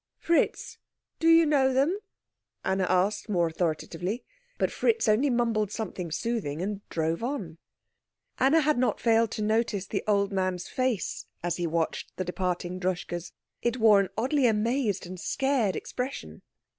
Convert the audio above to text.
"Fritz, do you know them?" Anna asked more authoritatively. But Fritz only mumbled something soothing and drove on. Anna had not failed to notice the old man's face as he watched the departing Droschkes; it wore an oddly amazed and scared expression.